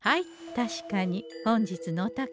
確かに本日のお宝